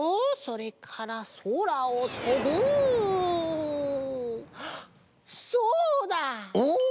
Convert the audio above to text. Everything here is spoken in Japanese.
それからそらをとぶあっ！